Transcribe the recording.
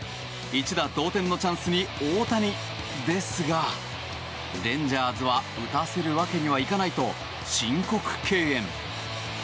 一打同点のチャンスに大谷ですがレンジャーズは打たせるわけにはいかないと申告敬遠。